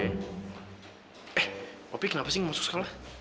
eh opi kenapa sih gak masuk sekolah